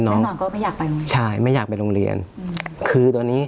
น้องก็ไม่อยากไปใช่ไม่อยากไปโรงเรียนคือตอนนี้